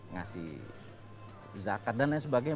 ngasih zakat dan lain sebagainya